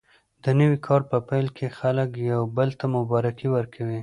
د نوي کال په پیل کې خلک یو بل ته مبارکي ورکوي.